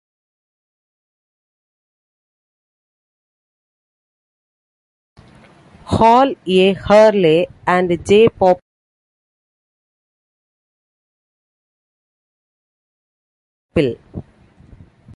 Hall, A. Hurley, and J. Pople.